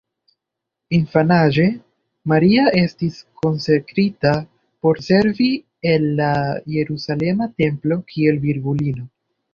Infanaĝe, Maria estis konsekrita por servi en la jerusalema templo kiel virgulino.